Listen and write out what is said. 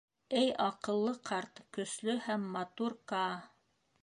Эй, аҡыллы, ҡарт, көслө һәм матур Каа!